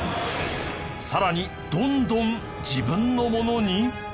さらにどんどん自分のものに！？